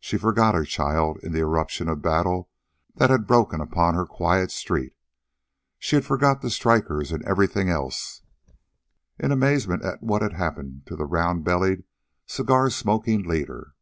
She forgot her child in the eruption of battle that had broken upon her quiet street. And she forgot the strikers, and everything else, in amazement at what had happened to the round bellied, cigar smoking leader.